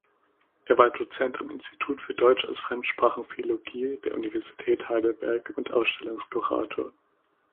Er war Dozent am Institut für Deutsch als Fremsprachenphilologie der Universität Heidelberg und Ausstellungskurator.